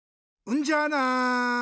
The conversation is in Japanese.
うんじゃあな！